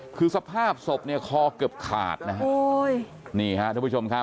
คือสภาพศพคอเกือบขาดนี่ค่ะทุกผู้ชมครับ